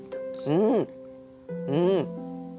うんうん。